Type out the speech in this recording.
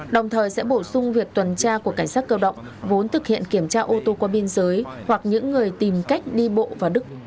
đồng thời sẽ bổ sung việc tuần tra của cảnh sát cơ động vốn thực hiện kiểm tra ô tô qua biên giới hoặc những người tìm cách đi bộ vào đức